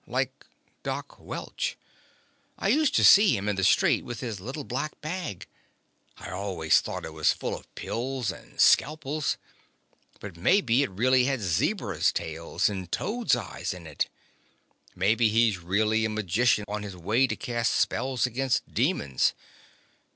Like Doc Welch. I used to see him in the street with his little black bag. I always thought it was full of pills and scalpels; but maybe it really had zebra's tails and toad's eyes in it. Maybe he's really a magician on his way to cast spells against demons.